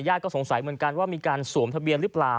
สงสัยเหมือนกันว่ามีการสวมทะเบียนหรือเปล่า